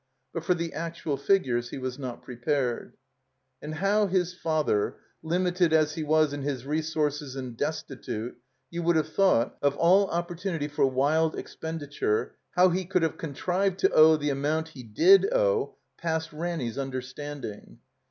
But for the actual figures he was not prepared. And how his father, limited as he was in his re sources and destitute, you wotdd have thought, of all opportimity for wild expenditure, how he could have contrived to owe the amoimt he did owe passed Ranny's understanding.